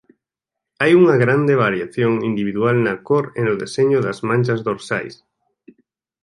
Hai unha grande variación individual na cor e no deseño das manchas dorsais.